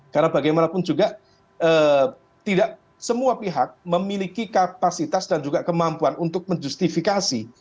karena bagaimanapun juga tidak semua pihak memiliki kapasitas dan juga kemampuan untuk menjustifikasi